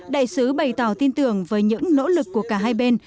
đại sứ bày tỏ tin tưởng với những nỗ lực của cả hai bên